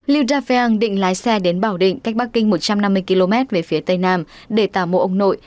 liu dafeang định lái xe đến bảo định cách bắc kinh một trăm năm mươi km về phía tây nam để tà mộ ông nội